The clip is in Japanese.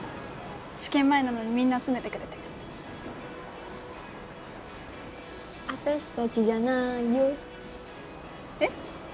試験前なのにみんな集めてくれて私達じゃないよえっ？